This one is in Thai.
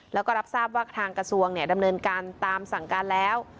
แล้วก็รับทราบว่าทางกระทรวงดำเนินการตามสั่งการแล้ว